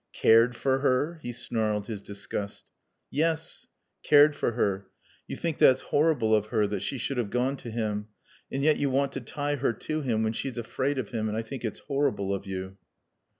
"Cared for her!" He snarled his disgust. "Yes. Cared for her. You think that's horrible of her that she should have gone to him and yet you want to tie her to him when she's afraid of him. And I think it's horrible of you."